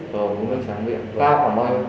vâng uống nước tráng miệng